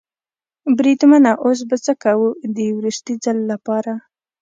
بریدمنه اوس به څه کوو؟ د وروستي ځل لپاره.